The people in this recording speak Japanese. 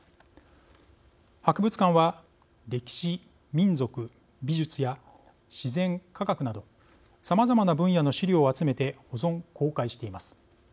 博物館は歴史、民俗、美術や自然、科学などさまざまな分野の資料を集めて保存・公開しています。